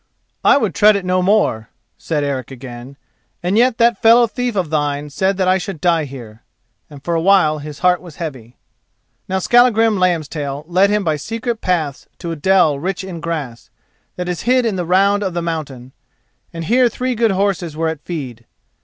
"I would tread it no more," said Eric again, "and yet that fellow thief of thine said that I should die here," and for a while his heart was heavy. Now Skallagrim Lambstail led him by secret paths to a dell rich in grass, that is hid in the round of the mountain, and here three good horses were at feed.